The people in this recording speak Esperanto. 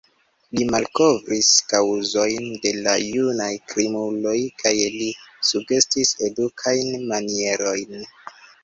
Li malkovris kaŭzojn de la junaj krimuloj kaj li sugestis edukajn manierojn.